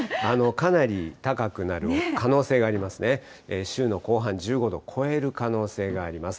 かなり高くなる可能性がありますね。